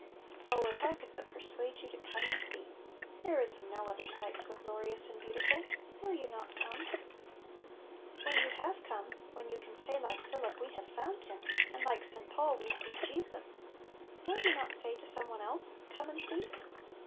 Oh if I could but per suade you to " come and see !" There is no other sight so glorious and beau tiful. Will you not come ? When you have come, when you can say like Philip, " We have found Him !" and like St. Paul, " We see Jesus," will you not say to some one else, "Come and see"?